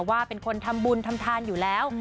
ว่าเป็นคนทำบุญทำทานอยู่แล้ว